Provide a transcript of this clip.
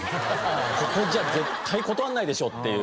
ここじゃ絶対断らないでしょっていう。